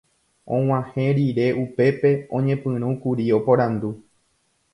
Og̃uahẽ rire upépe oñepyrũkuri oporandu